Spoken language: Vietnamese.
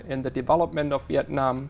ở nhiều nơi khác